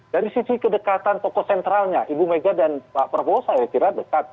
dari sisi kedekatan tokoh sentralnya ibu mega dan pak prabowo saya kira dekat ya